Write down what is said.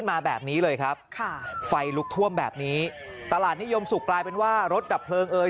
มาแบบนี้เลยครับค่ะไฟลุกท่วมแบบนี้ตลาดนิยมสุขกลายเป็นว่ารถดับเพลิงเอ่ย